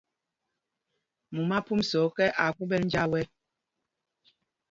Mumá phɔmsa ɔ́kɛ, aa kwómbɛl njāā wɛ̄.